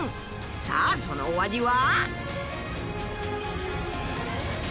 さあそのお味は？